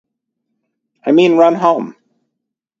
I mean run home.